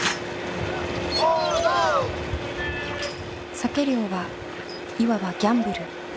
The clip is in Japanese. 鮭漁はいわばギャンブル。